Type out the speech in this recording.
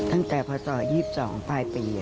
ตั้งแต่พอเต่าสองปลายปี